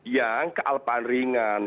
yang kealpan ringan